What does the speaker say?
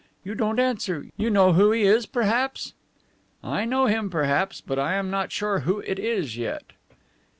You don't answer. You know who he is, perhaps?" "I know him, perhaps, but I am not sure who it is yet."